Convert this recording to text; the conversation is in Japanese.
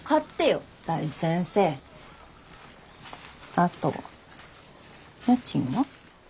あと家賃は？